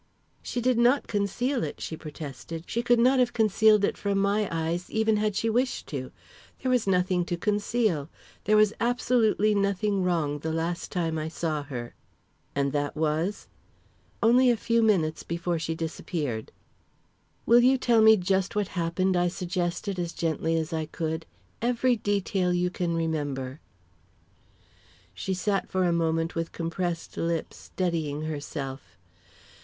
"She did not conceal it!" she protested. "She could not have concealed it from my eyes, even had she wished to. There was nothing to conceal. There was absolutely nothing wrong the last time I saw her." "And that was?" "Only a few minutes before she disappeared." "Will you tell me just what happened?" I suggested, as gently as I could. "Every detail you can remember." She sat for a moment with compressed lips, steadying herself.